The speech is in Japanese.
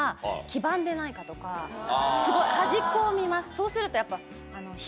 そうするとやっぱ。